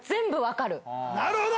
なるほど！